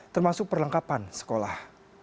termasuk perlengkapan sekolah